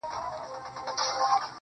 موليزۍ یېې پکې شته د چندڼ ونې